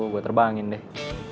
gua terbangin deh